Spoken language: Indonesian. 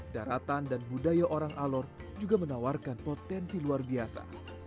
daratan dan budaya orang alor juga menawarkan potensi luar biasa